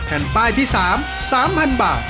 แผ่นป้ายที่๓๓๐๐๐บาท